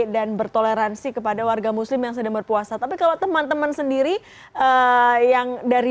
dan bertoleransi kepada warga muslim yang sedang berpuasa tapi kalau teman teman sendiri yang dari